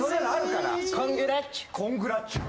コングラッチュ。